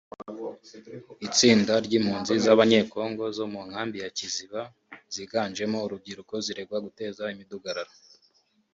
Itsinda ry’Impunzi z’Abanyekongo zo mu nkambi ya Kiziba ziganjemo urubyiruko ziregwa guteza imidugararo…